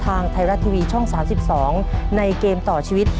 ทางไทยรัฐทีวีช่อง๓๒ในเกมต่อชีวิต